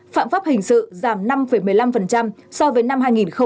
phạm pháp hình sự giảm năm một mươi năm so với năm hai nghìn hai mươi